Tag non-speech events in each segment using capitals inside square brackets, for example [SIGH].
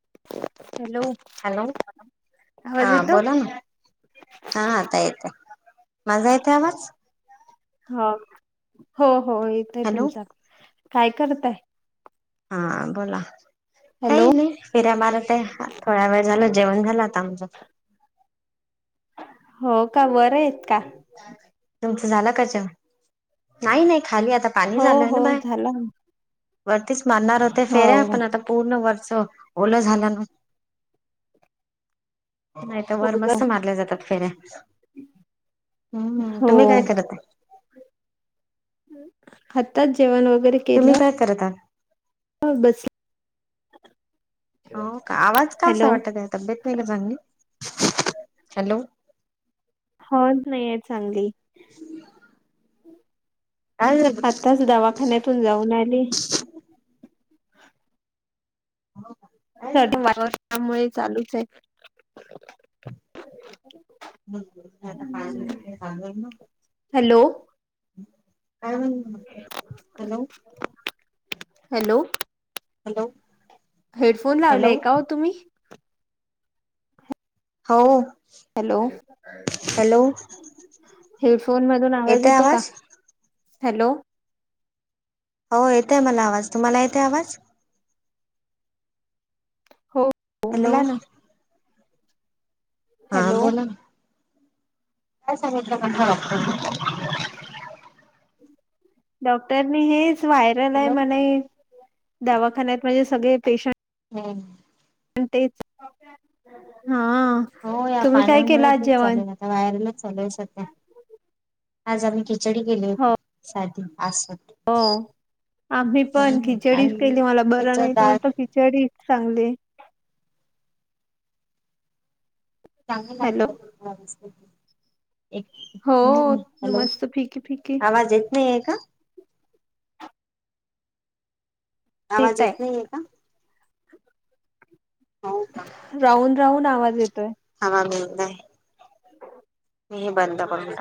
[INAUDIBLE] Hello हा आवाज येतो बोला ना हा आता येतय. माझा येतोय आवाज? हो हो हो येतय हॅलो तुमचा काय करताय? हा बोला हॅलो काही नाही फिर्या मारत आहे थोडा वेळ झाल जेवण झालं होता आमचा हो का व तुमच झाला का जेव नाही नाही खाली आता पाणी हो झालंय ना हो बाय झाला वरतीच मारणार होते फेरे आपण हो आता पूर्ण वर्ष त ओला झाला ना नाही तर वर मस्त मारल्या जातात फेऱ्या हम्म हो तुम्ही काय करत आहे हताच जेवण व तुम्ही काय करत आ हो बस हो का आवाज का असा हॅलो वाटतं त्या तब्येत नाही का सांगली हॅलो हो नाहीय चांगली काय झालं आताच दवाखान्यातून जाऊन आली काय मारामुळे चालूच आहे ह म आता पाणीग ना हॅलो का hello hello hello headphone hello लावलेय का हो तुम्ही हो हॅलो हॅलो हेडफोन मधून आवाज येतो का हॅलो हो येतय मला आवाज तुम्हाला येत आहे आवाज हो हॅलो बोला ना हा हॅलो बोला ना त डॉक्टरनी हेच व्हायरल आहे हॅलो म्हणा दवाखान्यात म्हणजे सगळे पेशंट हम. तेच. हा हो या तुम्ही काय केला पाण्यामुळे आज तेच जेवण चालेल आता वायरलाच चालेल सध्या.. आज आम्ही खिचडी गेली हो होती साधी आस हो वाटत आम्ही पण खिचडीच केली मला बर नाही त्याच तर म्हण डाळ तो खिचडीच चांगले चांग हॅलो लागलं थथ हो ह हॅलो मस्त फिकी फिकी आवाज इेत नाही आहे का आवाज येतय स आहे का हो का राहून राहून आवाज येतोय नाहीय मी हे बंद पडून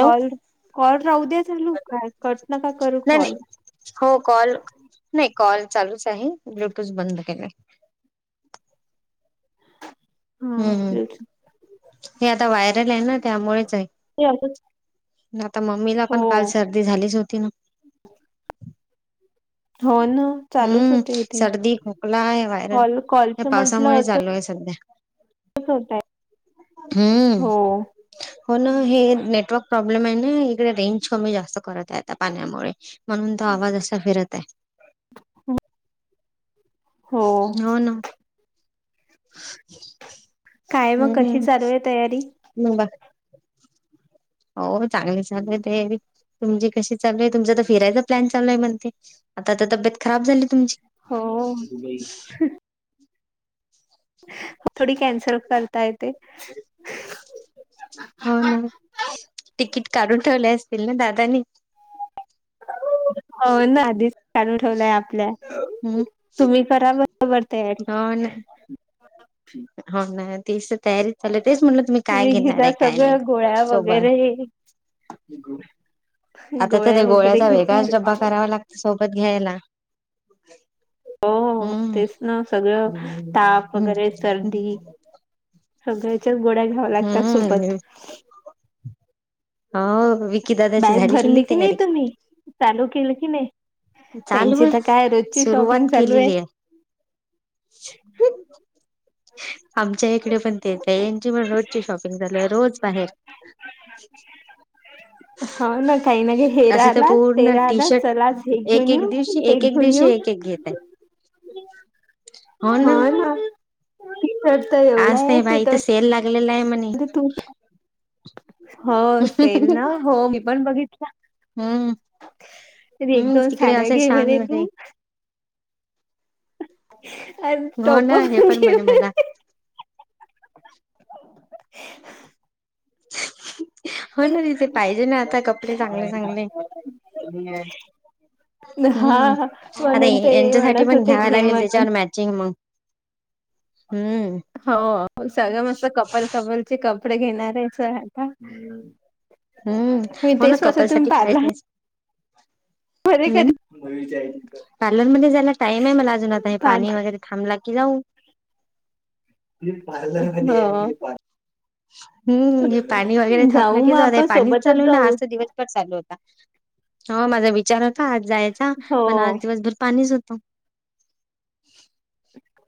कॉल कॉल राहू द्या चालू कट नका करू नाही नाही कॉल हो कॉल नाही कॉल चालूच आहे ब्लुटूथ बंद केले हम्म हम् हा हे आता व्हायरल आहे ना त्यामुळेच आहे आता मम्मीला हो पण काल सर्दी झालीच होती ना हो ना चालूच हम्म होते इथे सर्दी खोकला आहे वायरल कॉल हे कॉलच म्हंटलं पावसामुळे चालू असंच आहे सध्या होतय हम् हो हो ना हे नेटवर् प्रॉब्लेम प्रॉब्लेम आहे ना इकडे रेंज कमी जास्त करत आहे आता पाण्यामुळे म्हणून तो आवाज असा फिरत आहे हो न ना काय मग कशी चालू आहे तयारी ब हो चांगले ले ते. तुमची कशी चालू आहे तुमचा तर फिरायचा प्लन चालू आहे म्हणते आता तर तब्येत खराब झाली तुमची.. हो. थोडी कॅन्सल करताय ते. हो ना तिकीट काढून ठेवले असतील ना दादानी.. हो आधीस चालू ठेवलाय आपल्या.. हम्म तुम्ही करा बरोबर तयारी.. हो ना हो ना ते.. तयारीत चाल तेच म्हणलं तुम्ही काय घेणार घेता आहे काय नाही सगळं गोळ्या सोबत.. वगैरे आता त्या गोळ्या ते वगैरे गोळ्याचा घेता. वेगळाच डब्बा करावा लागत सोबत घ्यायला.. [INAUDIBLE] हो हम्म तेच ना सगळं ताप हम्म वगैरे सर्दी.. सगळ्याच्याच गोड्या घ्याव्या लागतात सोबत. हम्म हा. बॅग भरली की नाही तुम्ही चालू केलं की नाही.. चालू त्यांची आहे तर काय रोजची शॉपिंग सुरुवात चालू आहे.. केलेली आमच्या इकडे पण तेच आहे यांची म्हण र शॉपिंग झा रोज बाहेर हो ना काही ना हेरा असे तर आला पूर्ण तेरा टी आला चलाज शर्ट हे. एक घेऊन एक येऊ दिवशी ते एक एक घेऊन दिवशी येऊ. एक एक घेत. हा ना टिकचट तर एवढा आहे तिथ.. आगलेलाय म.. तू. हो सेल ना हो मी पण बघितलं.. हम्म त एक हम्म दोन तिकडे साड्या असे घे छान म्हणे हे तू.. अ हो टॉप ना हे पण म्हणे घ. मला [UNINTELLIGIBLE] [INAUDIBLE] ना तिथे पाहिजे ना ग आता कपडे चांगले चांगले [INAUDIBLE] हम्म हा आता म्हणून हे- ते यांच्यासाठी म्हणत पण होते घ्यावा घे लागेल म्हणून त्याच्यावर मॅचिंग मग हम्म हो सगळं मस्त कपाल कपलचे कपडे घेणार आहे स आता हम्म म हो ते ना स्वस कपल तुम् साठी पाहिला पाहिजे बर कधी पार्लरमध्येध्ये जायला टाइम आहे मला अजून आता हे पाणी वगैरे थांबलं की जाऊ हा. हम् हे पाणी वगैरे थापण जाऊ मग कच हो आपण पाणीच सोबतच चालू ना आज जाऊ तर दिवसभर चालू होता.. हो माझा विचार होता आज जायचा हो पण आज दिवसभर पाणीच हो.. तर.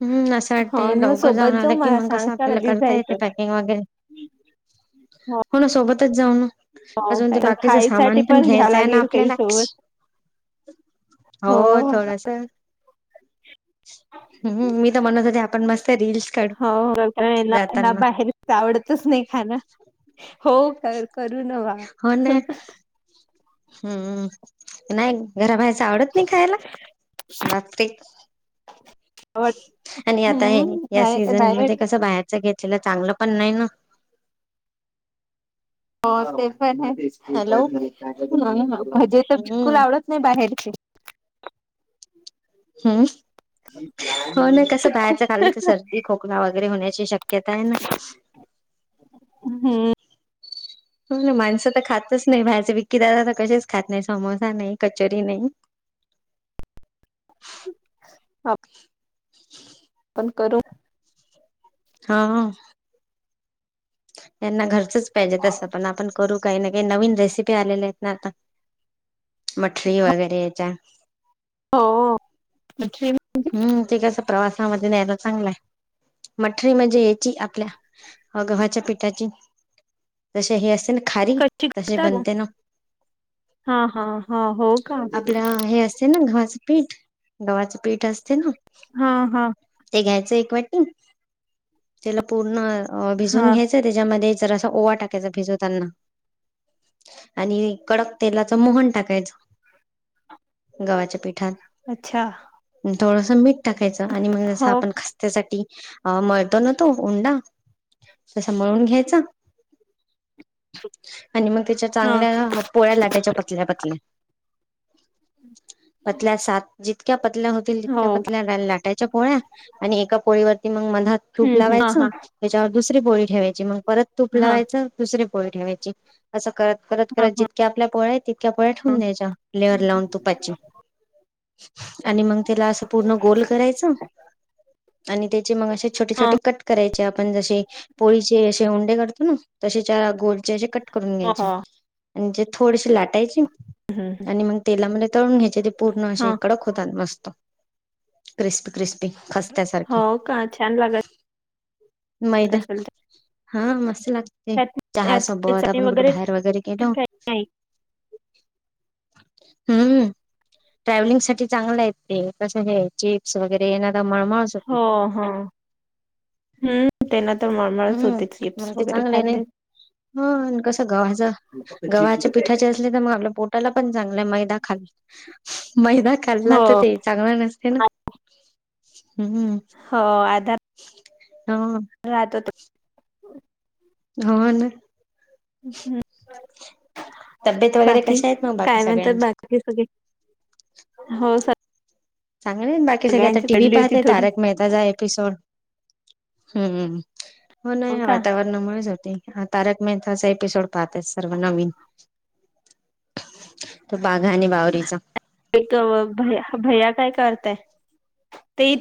हम्म असं वाटते हो ना लवकर जाऊन सोबत जाऊ आलं कि मला मग सांग कसं का आपल्याला कधी करता येते जायचं. पॅकिंग वगैरे.. हो ना सोबतच जाऊ ना.. अजून ते तर बाकीच खायसाठी सामान पण घ्या घ्यायचय ना लागेल काही आपल्याला सोबत हो थोडसा. हम्म मी तर म्हणत होते आपण मस्त. रील्स काढू हो जाताना बाहेरच आवडतच नाही खाण. कर करू नवा. हम्मम नाही घराबाहेर.. आवडत नाही खायला म.. आवड आणि आता हे हम्म या नाही सीझन नाही मध्ये कस बाहेरच घेत... त्याला चांगलं पण नाही ना.. पणजे हॅलो बिलकुल हम्म आवडत नाही बाहेर.. [UNINTELLIGIBLE] हम्म हो ना कस बाहेरच खाल्लं तर सर्दी खोकला वगैरे होण्या.. शक्यता आहे ना हम्म हो ना माणसं तर खातच नाही बाहेरचे विकी दादा तर कसेच खात नाही समोसा नाही कचोरी नाही [INAUDIBLE] हा [INAUDIBLE] करू हा त्यांना घरचच पाहिजे तसं पण आपण करू काही ना काही नवीन रेसिपी आलेल्या आहेत ना आता मठरी वगैरे याच्या हो भजी म्हणजे हम्म ते कसं प्रवासामध्ये न्यायला चांगलाय मठरी म्हणजे याची आपल्या गव्हाच्या पिठाची जसे हे असे ना खारी कशी तसे करता तू? बनते ना हा हा हा हो का आपलं हे असे ना घर पठ डवाची पिठ असते ना हा हम पूर् भ हा घ त्या जर अस ओवा टाकायचा भिजवताना आणि कडक तेलाच मोहन टाकायचं. गव्हाच्या पिठात अच्छा थोडसं मीठ टाकायचं आणि मग जसं हो आपण खस्त्यासाठी अ मळतो ना तो उंडा तसा मळून घ्यायचा आणि मग त्याच्या हा चांगल्या पोळ्या लाटेच्या पतल्या पतल्या पतल्या सात जितक्या पतल्या होतील हो तितक्या पतल्या घायला लागत पोळ आणि एका पोळीवरती म ात तूप हम्म हम्म हा लावायच हा त्याच्यावर दुसरी बोळी ठेवायची मग परत तूप हा लावायच दुसर पोळी ठेवायची अस करत करत हा करत जितक्या आपल्या पोळ्या ्यापोळ्या ठेवून द्यायच्या लेअर लावून तुपाची आणि मग त्याला असं पूर्ण गोल करायचं आणि त्या गे छोटे हा छोटे कट करायचे आपण ज पोळीचे तो ना तसे गोड कट करून हो घ्यायचे हो आणि थोडीशी लाटायचे आणि मग तेलामध्ये तळून घ्यायचे ते पूर्ण असे इकडं त क्रिस्पी क्रिस्पी हो खस्त्यासारखे का छान लागल मैदा हा मस्त लागते त्यात चहा त्यात काही सबत चटणी आपण गुठे वगैरे बाहेर वगैरे केलं काही नाही. [UNINTELLIGIBLE] हम्म ट्रॅव्हलिंग साठी चांगलं आहे ते कस हे चिप्स वगैरे येणार द मळमळ सुकी हो हो. हम्म त्यांना तर मळमळच होते चिप्स मग ते वगैरे चांगले नाही खाल्ले ह कसं गव्हाच गव्हाच्या पिठाचे असले तर मग आपलं पोट आपला पण चांगल मैदा खाल् मैदा ल्ला हो तर ते चांगला नसते ना हम् राहतो त हो ना ् हम्म तब्येत वगैरे बाकी कशा आहेत मग बाकी काय म्हणतात सगळ्यांच्या बाकी सगळे हो स चांगले बाकी सगळे आता टी व्ही पडली होती पाहतेय थोडी. तारक मेहताचा एपिसोड हम्म हो ना वातावरणमुळेच होती हा तारक मेहताचा एपिसोड पाहत सर्व नवीन तो बाघा आणि बावररीचा एक भया भैया काय करताय ते इ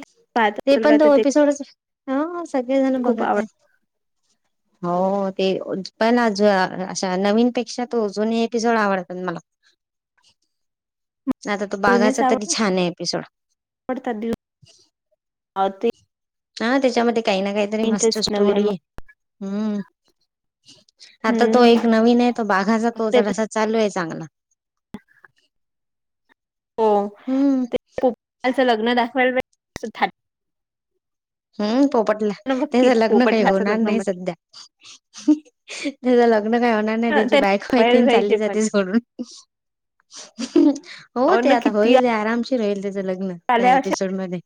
ते पण तो एपिसोडच हा सगळेजण खूप बघत आवड आहे [UNINTELLIGIBLE] हो ते पण अजून अशा नवीन पेक्षा तोजुून एपिसोड आवडतात मला [UNINTELLIGIBLE] आता तो बाघाचा तरी छान आहे एपिसोड वडता दिल आती हा त्याच्यामध्ये काही ना काहीतरी मस्त इंटरेस्ट नवी स्टोरी मग. आहे हम्म आता तो हम्म एक नवीन हे तो बाघाचा तो ते तर जसा चालू हेच चांगला हो हम्म ते पो लच लग्न दाखवायला असं थाट हम्म पोपटला तेज बघतील लग्न काही पोपटलाचं होणार लग्न नाही म्हण सध्या ग्न काय होणार नाही त्याची त्यांना बायको आयते दाखवायला अन पाहिजे चाल्ली पण जाते सोडून हो ते अन आता किती होईले आराम राहील त्याचं लग्न त्या आल्या अशा एपिसोड मध्ये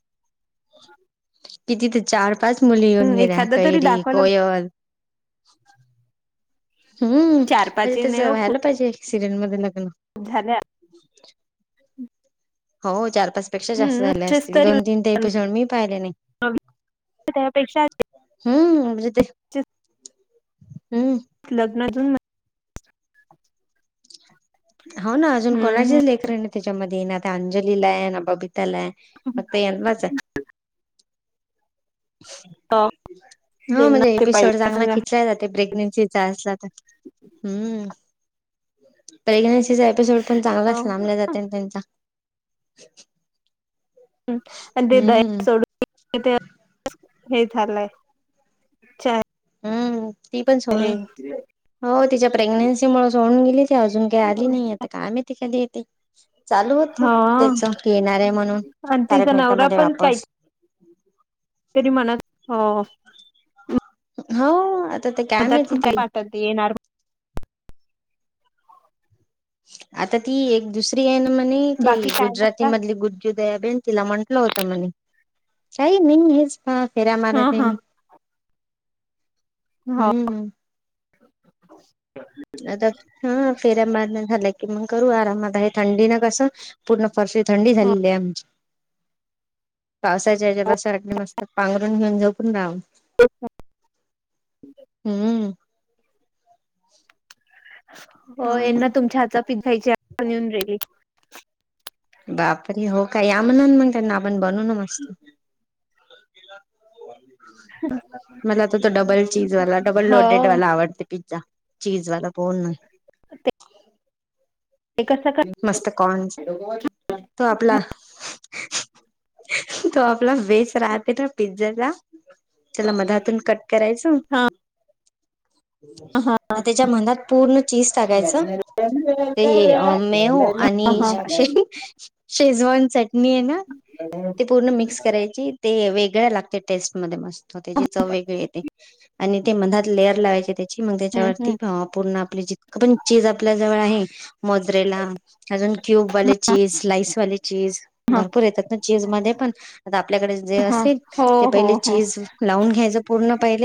किती ते चार पाच मुली येऊन गेल्या एखादा तरी कैरी दाखवला कोयल हम्म चार म्हणजे पाच ही तेच नाही हो व्हायला खूप पाहिजे सिरीयल मध्ये ल ग्नं झाल्या हो चार पाच पेक्षा जास्त हम्म झाले असेच असतील तरी दोन तीन त एपिसोड मी पाहिले नाही त पेक्षा हम्म मजेते हम्म नजून म हो ना अजून हम्म कोणाचेच लेकरं नाय त्याच्यामध्ये ना त्या अंजलीला आहे ना बबी ताला आहे हम्म फक्त यांनाच आहे का हां म्हणजे एपिसोड चांगला खेचला जाते प्रेग्नेंसी चा असला तर हंम्म प्रेग्नेन्सीचा एपिसोड पण हो चांगलाच लांबल्या जाते न तेंचा हं च म्म अन ते दया सोडून गे तेव्हा स हे झालंय चाय हम्म ती पण सोडून हो तिच्या प्रेग्नेन्सी मूळ सोडून गे अजून काय आली नाही आता काय माहिती कधी येते चालू होत हा तेच येणारे म्हणून आणि तारक तिचा मेहता मध्ये वापस तरी मनात हो होव आता ते काय मधात माहिती खूप ती काही वाटत येणार आता ती एक दुसरी आहे ना म्हणे ती बाकी काय गुजराती म्हणता मधली गुुजू दया भेन तिला म्हंटलं होता म्हणे काय नाही हेच हा फेऱ्या हा मारत आहे हा मी हो हम्म आता हां फेऱ्या मारणं झालं की मंग करू आराम आता हे थंडीनं कसं पूर्ण फर्शी थंडी हो झालेली आहे आमची पावसाच्या हेज्याला सारख नुस्त पांघरून घेऊन झोपून राव हम्म म म होयना तुमच्या हातचा पि खायची आ ऊन राहीली बापरे हो का या म्हणा न मग त्यांना आपण बनवून मस्त तर केलास न तो मला तर तो डबल चीज वाला डबल लोडेेड हो वाला आवडते पिझ्झा चीजवाला बोल ना ते कसं मस्त कॉन्स तो आपला तो आपला बेस राहते न पिज जेला त्याला मधातून कट करायचं हा त्याच्या मधात पूर्ण चीज टाकायच ते अम् मेऊ आणि हा श शे शेजवानचट मी ना ते पूर्ण मिक्स करायची ते वेगळ लागते टेस्ट मध्ये मस्त हो तेजी चव वेगळी येते आणि ते मधात लेअर लावायचे त्याची मग हम्म त्याच्यावरती हम्म पूर्ण आपली जितकं पण चीज आपल्या जवळ आहे मद्रेला अजून क्यूबवाले चीज स्लाईस वाले चीज हा भरपूर येतात ना चीज मध्ये पण आता आपल्याकडे जे हा असेल हो ते हो पहिले हो चीज लावून घ्यायचं पूर्ण पहिले